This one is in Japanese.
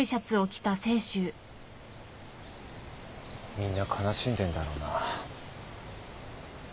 みんな悲しんでんだろうな。